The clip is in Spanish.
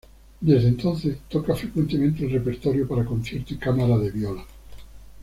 Desde entonces, toca frecuentemente el repertorio para concierto y cámara de viola.